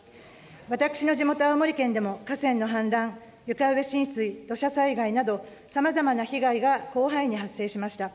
私の地元、青森県でも河川の氾濫、床上浸水、土砂災害など、さまざまな被害が広範囲に発生しました。